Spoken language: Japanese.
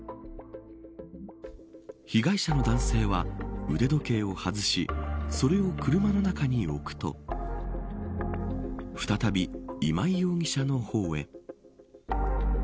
被害者の男性は腕時計を外しそれを車の中に置くと再び、今井容疑者の方へ。